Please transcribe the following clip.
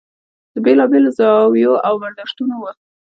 د بېلا بېلو زاویو او برداشتونو و.